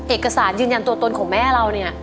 เอกสารยืนยันตัวตนของแม่เราเนี่ย